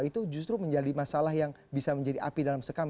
itu justru menjadi masalah yang bisa menjadi api dalam sekam